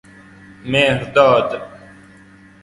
مﮩرداد